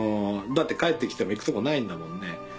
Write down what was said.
だって帰って来ても行くとこないんだもんね。